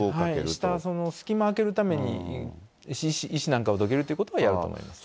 下、隙間開けるために、石なんかをどけるなんてことはやると思います。